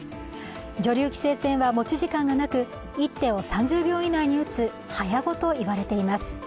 女流棋聖戦は持ち時間がなく１手を３０秒以内に打つ早碁と言われています。